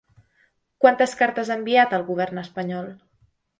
Quantes cartes ha enviat el govern espanyol?